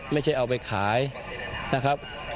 ไม่ใช่เอาไปขายนะครับ